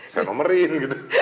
saya nomerin gitu